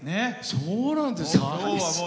そうなんですか！